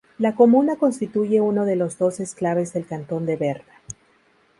La comuna constituye uno de los dos exclaves del cantón de Berna.